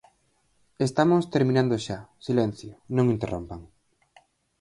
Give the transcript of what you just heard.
Estamos terminando xa, silencio, non interrompan.